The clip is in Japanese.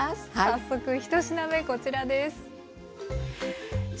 早速１品目こちらです。